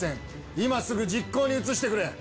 今すぐ実行に移してくれ！